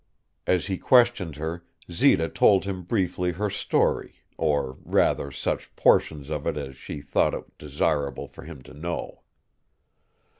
As he questioned her, Zita told him briefly her story, or, rather, such portions of it as she thought it desirable for him to know.